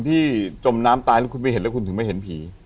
ที่จมน้ำตายแล้วคุณไปเห็นแล้วไม่เห็นผี